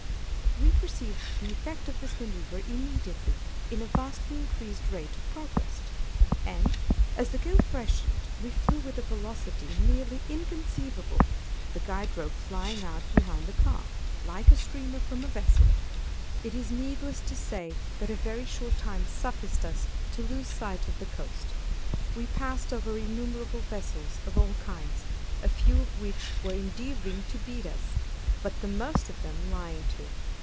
We perceived the effect of this manoeuvre immediately, in a vastly increased rate of progress; and, as the gale freshened, we flew with a velocity nearly inconceivable; the guide rope flying out behind the car, like a streamer from a vessel. It is needless to say that a very short time sufficed us to lose sight of the coast. We passed over innumerable vessels of all kinds, a few of which were endeavoring to beat up, but the most of them lying to.